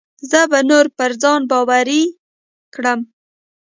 زه به نور پر ځان باوري کړم.